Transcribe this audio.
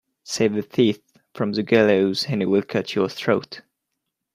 Save a thief from the gallows and he will cut your throat